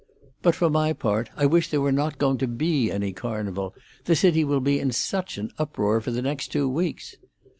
"But for my part I wish there were not going to be any Carnival; the city will be in such an uproar for the next two weeks."